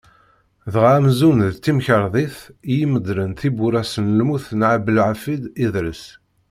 Dɣa amzun d timkerḍit i imedlen tiwura-s s lmut n Ɛebdelḥafiḍ Idres.